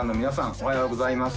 おはようございます